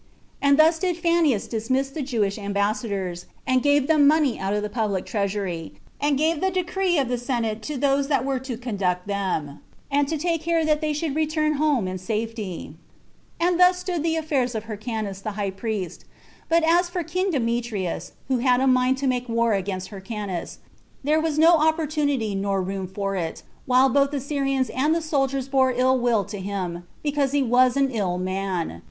And thus did Fanius dismiss the Jewish ambassadors, and gave them money out of the public treasury; and gave the decree of the senate to those that were to conduct them, and to take care that they should return home in safety. 3. And thus stood the affairs of Hyrcanus the high priest. But as for king Demetrius, who had a mind to make war against Hyrcanus, there was no opportunity nor room for it, while both the Syrians and the soldiers bare ill will to him, because he was an ill man.